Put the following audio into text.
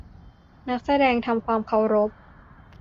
นักแสดงทำความเคารพ !